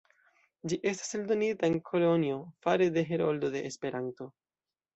Ĝi estas eldonita en Kolonjo fare de Heroldo de Esperanto.